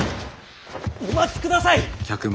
お待ちください！